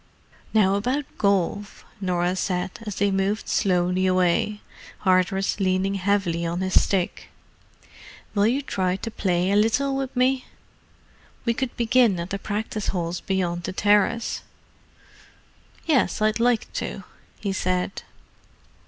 "Now about golf," Norah said, as they moved slowly away, Hardress leaning heavily on his stick. "Will you try to play a little with me? We could begin at the practice holes beyond the terrace." "Yes, I'd like to," he said.